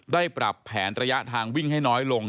ปรับแผนระยะทางวิ่งให้น้อยลง